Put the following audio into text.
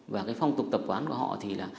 và cái phong tục tập quán của họ thì là